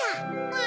え